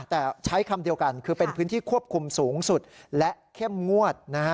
แต่ใช้คำเดียวกันคือเป็นพื้นที่ควบคุมสูงสุดและเข้มงวดนะฮะ